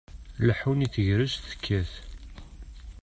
Ileḥḥun i tegrest tekkat.